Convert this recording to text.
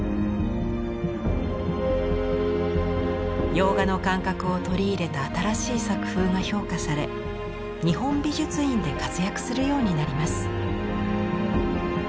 洋画の感覚を取り入れた新しい作風が評価され日本美術院で活躍するようになります。